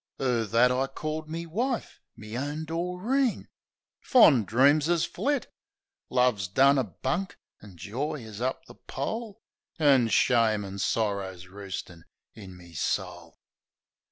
'Er that I called me wife, me own Doreen ! Fond dreams 'as flit; Love's done a bunk, an' joy is up the pole; An' shame an' sorrer's roostin' in me soul.